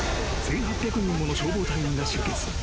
１８００人もの消防隊員が集結。